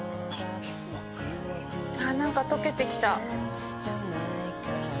何か解けてきた。